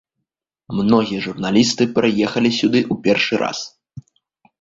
Многія журналісты прыехалі сюды ў першы раз.